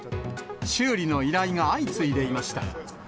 修理の依頼が相次いでいました。